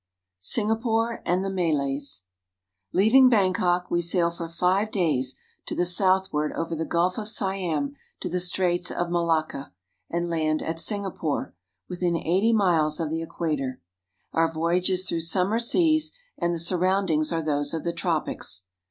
SINGAPORE AND THE MALAYS LEAVING Bangkok, we sail for five days to the south ward over the Gulf of Siam to the Straits of Malakka, and land at Singapore, within eighty miles of the Equator. Our voyage is through summer seas, and the surroundings are those of the tropics.